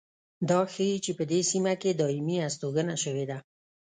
دا ښيي چې په دې سیمه کې دایمي هستوګنه شوې ده.